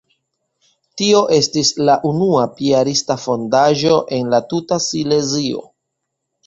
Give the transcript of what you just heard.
Tio estis la unua piarista fondaĵo en la tuta Silezio.